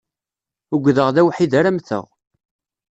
Ugdeɣ d awḥid ara mmteɣ.